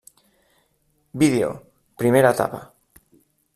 Vídeo: primera etapa.